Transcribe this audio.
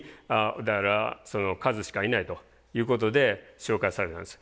だからカズしかいないということで紹介されたんです。